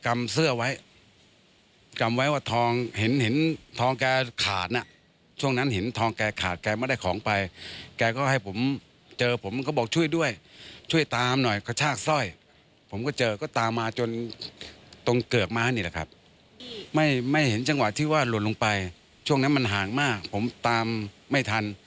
เมื่อวานี้พยายามจะขี่รถจักรยานยุนไล่ตามค่ะ